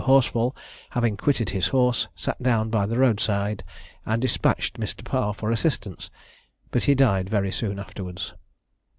Horsfall, having quitted his horse, sat down by the road side, and despatched Mr. Parr for assistance, but he died very soon afterwards.